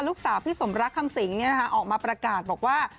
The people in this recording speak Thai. ลูกสาวพี่สมรักคำสิงออกมาประกาศบอกว่า